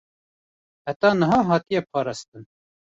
heta niha hatiye parastin